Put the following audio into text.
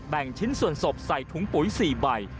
ชิ้นส่วนศพใส่ถุงปุ๋ย๔ใบ